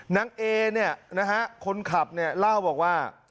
นางเอเนี่ยนะฮะคนขับเนี่ยเล่าบอกว่า